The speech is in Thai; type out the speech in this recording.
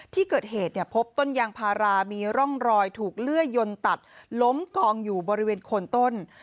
ที่เกิดเหตุพบต้นยางพารามีร่องรอยถูกเลื่อยยนตัดล้มกองอยู่บริเวณโคนต้น